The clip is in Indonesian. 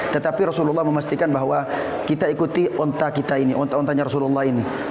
tetapi rasulullah memastikan bahwa kita ikuti onta kita ini ontanya rasulullah ini